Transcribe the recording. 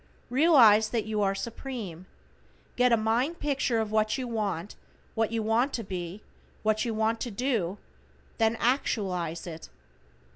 Realize that you are Supreme. Get a mind picture of what you want, what you want to be, what you want to do, THEN ACTUALIZE IT.